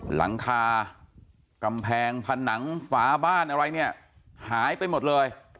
หลังคากำแพงผนังฝาบ้านอะไรเนี่ยหายไปหมดเลย